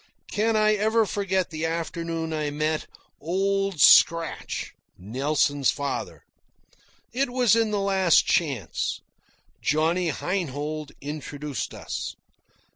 Can I ever forget the afternoon I met "Old Scratch," Nelson's father? It was in the Last Chance. Johnny Heinhold introduced us.